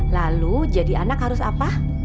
lalu jadi anak harus apa